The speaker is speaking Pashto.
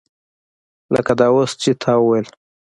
لکه دا اوس چې تا وویلې.